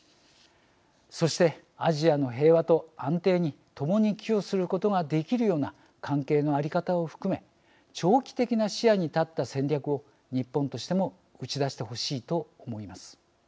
そして、アジアの平和と安定に共に寄与することができるような関係の在り方を含め長期的な視野に立った戦略を日本としても打ち出してほしいと思います。